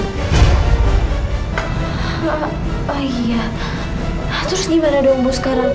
wah iya terus gimana dong bu sekarang